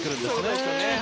そうですね。